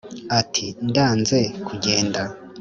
ati: “ndanze kugenda